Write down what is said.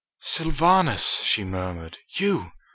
"Sylvanus!" she murmured. "You!